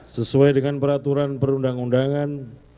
sesuai dengan peraturan perundang undangan